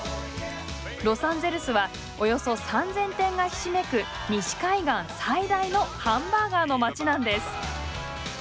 ロサンゼルスはおよそ３，０００店がひしめく西海岸最大のハンバーガーの街なんです。